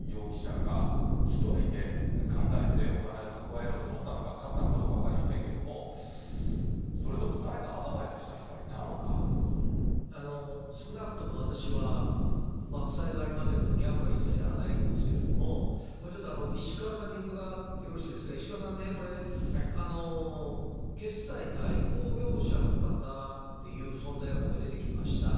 これ、高岡さん、田口容疑者が１人で考えてお金を蓄えようと思ったのか、勝ったのかどうか分かりませんけれども、それとも誰少なくとも、私はばくさいがありませんので、ギャンブルは一切やらないんですけれども、これちょっと、石川さんに伺ってよろしいですか、石川さんね、これ、決済代行業者の方っていう存在が今回、出てきました。